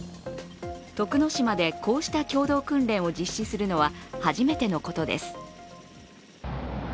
徳之島でこうした共同訓練を実施するのは初めてのことです。